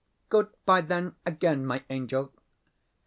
Good bye, then, again, my angel.